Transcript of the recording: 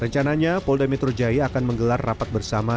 rencananya polda metro jaya akan menggelar rapat bersama